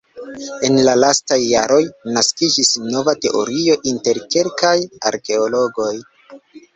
En la lastaj jaroj naskiĝis nova teorio inter kelkaj arkeologoj.